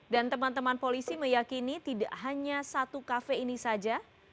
teman teman polisi meyakini tidak hanya satu kafe ini saja